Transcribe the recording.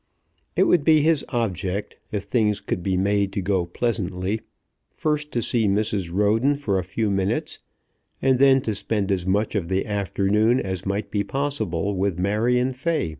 It would be his object, if things could be made to go pleasantly, first to see Mrs. Roden for a few minutes, and then to spend as much of the afternoon as might be possible with Marion Fay.